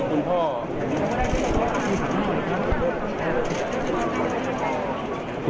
นี่ครับเจอคุณพ่อ